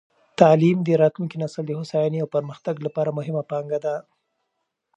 تعلیم د راتلونکې نسل د هوساینې او پرمختګ لپاره مهمه پانګه ده.